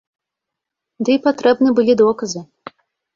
Ды і патрэбны былі доказы.